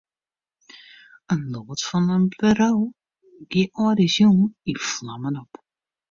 In loads fan it bedriuw gie âldjiersjûn yn flammen op.